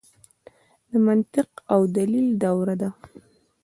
د منطق او دلیل دوره ده.